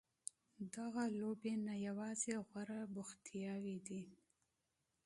دغه لوبې نه یوازې غوره بوختیاوې دي.